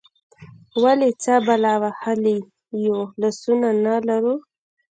ولې، څه بلا وهلي یو، لاسونه نه لرو؟